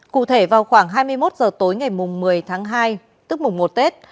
cụ thể vào khoảng hai mươi một h tối ngày một mươi tháng hai tức mùng một tết